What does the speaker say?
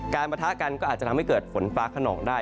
ประทะกันก็อาจจะทำให้เกิดฝนฟ้าขนองได้